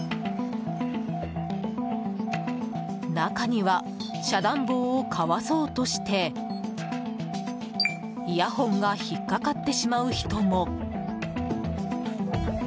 中には、遮断棒をかわそうとしてイヤホンが引っかかってしまう人も。